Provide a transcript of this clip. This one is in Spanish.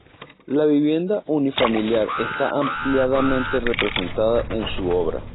La vivienda unifamiliar está ampliamente representada en su obra.